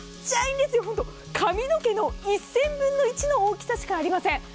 髪の毛の１０００分の１の大きさしかありません。